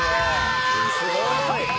・すごい！